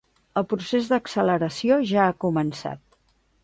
El procés d’acceleració ja ha començat.